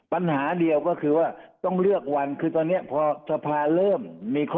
ปัญหาเดียวก็คือว่าต้องเลือกวันคือตอนนี้พอสภาเริ่มมีข้อ